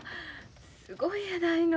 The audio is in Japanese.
すごいやないの。